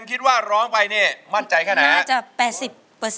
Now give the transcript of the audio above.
๑๐๐คิดว่าร้องไปเนี่ยมั่นใจคะแนะ